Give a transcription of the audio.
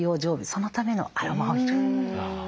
そのためのアロマオイル。